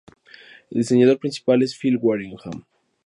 El diseñador principal es Phil Wareham.